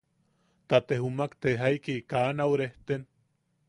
Ta te jumak te jaiki ka nau rerejten.